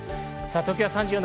東京は３４度。